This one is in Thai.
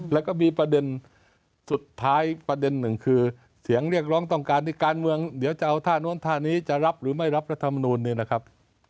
แล้วก็มีประเด็นสุดท้ายประเด็นหนึ่งคือเสียงเรียกร้องต้องการที่การเมืองเดี๋ยวจะเอาท่านู้นท่านี้จะรับหรือไม่รับรัฐมนูลเนี่ยนะครับ